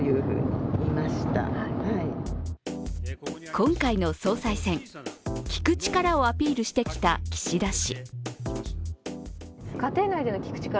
今回の総裁選、聞く力をアピールしてきた岸田氏。